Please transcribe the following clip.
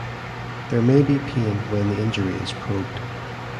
There may be pain when the injury is probed.